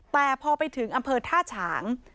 แต่พอไปถึงอำเภอท่าฉาง